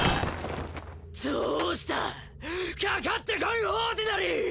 どうしたかかってこいオーディナリー！